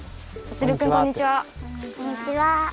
こんにちは。